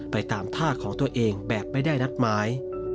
ไปตามท่าของตัวเองแบบไม่ได้นัดหมาย